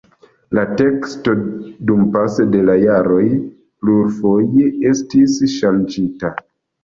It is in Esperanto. La teksto dumpase de la jaroj plurfoje estis ŝanĝita.